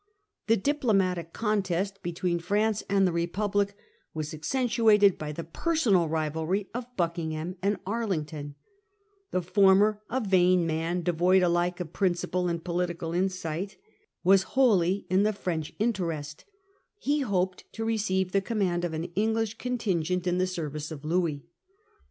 The diplomatic contest betwecr France and the Republic was accentuated by the personal rivalry of Arlington Buckingham and Arlington. The former, a Bucking va * n man > devoid principle and political ham. insight, was wholly in the French interest ; he hoped to receive the command of an English contingent in the service of Louis.